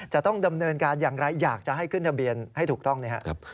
จะต้องดำเนินการอย่างไรอยากจะให้ขึ้นทะเบียนให้ถูกต้องนะครับ